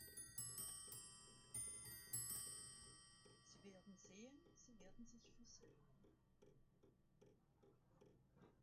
Sie werden sehen, Sie werden sich versöhnen.